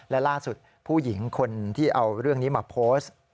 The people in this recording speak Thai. และล่าสุดผู้หญิงคนที่เอาเรื่องนี้มาโพสต์